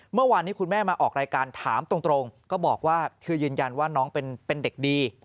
เมื่อวานนี้คุณแม่มาออกรายการถามตรงก็บอกว่าคือยืนยันว่าน้องเป็นเด็กดี